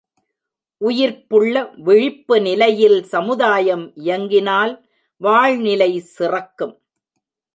உயிர்ப்புள்ள விழிப்பு நிலையில் சமுதாயம் இயங்கினால் வாழ்நிலை சிறக்கும்.